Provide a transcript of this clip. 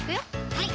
はい